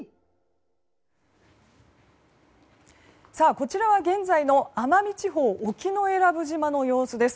こちらは現在の奄美地方沖永良部島の様子です。